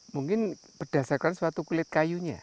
mungkin berdasarkan suatu kulit kayunya